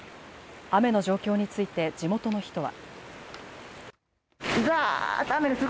雨の状況について地元の人は。